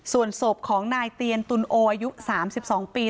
ส่วนศพของนายเตียนตุลโออายุ๓๒ปี